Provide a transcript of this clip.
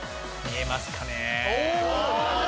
見えますかね？